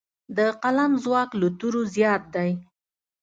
د قلم ځواک له تورو زیات دی.